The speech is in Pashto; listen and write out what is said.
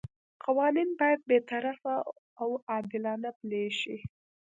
قوانین باید بې طرفه او عادلانه پلي شي.